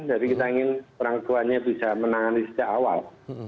jadi kita ingin orang tuanya bisa menangani sejak awal